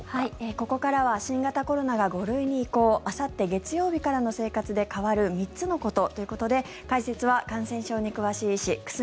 ここからは新型コロナが５類に移行あさって月曜日からの生活で変わる３つのことということで解説は感染症に詳しい医師久住